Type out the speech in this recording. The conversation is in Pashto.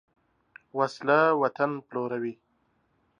وسله وطن پلوروي